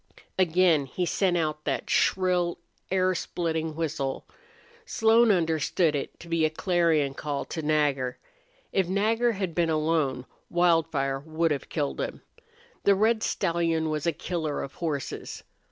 Again he sent out that shrill, air splitting whistle. Slone understood it to be a clarion call to Nagger. If Nagger had been alone Wildfire would have killed him. The red stallion was a killer of horses.